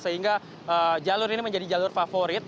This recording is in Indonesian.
sehingga jalur ini menjadi jalur favorit